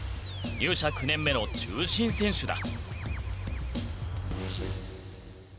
入社９年目の中心選手だ。